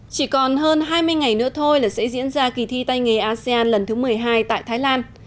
chỉ còn hơn hai mươi ngày nữa thôi là sẽ diễn ra kỳ thi tay nghề asean lần thứ một mươi hai tại thái lan